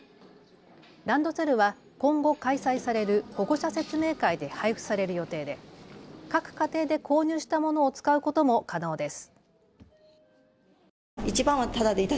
ランドセルは今後、開催される保護者説明会で配付される予定で各家庭で購入したものを使うことも可能です。